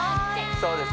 そうです